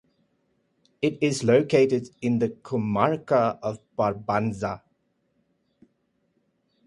It is located in the comarca of Barbanza.